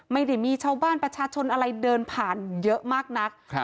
ไม่ได้มีชาวบ้านประชาชนอะไรเดินผ่านเยอะมากนัก